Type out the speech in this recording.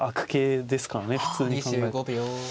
普通に考えたら。